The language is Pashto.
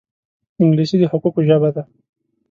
انګلیسي د حقوقو ژبه ده